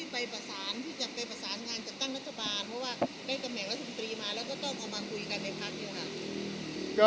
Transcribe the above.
ไปประสานที่จะไปประสานงานจัดตั้งรัฐบาลเพราะว่าได้ตำแหน่งรัฐมนตรีมาแล้วก็ต้องเอามาคุยกันในพักนี้ค่ะ